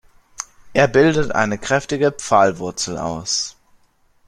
Er bildet eine kräftige Pfahlwurzel aus.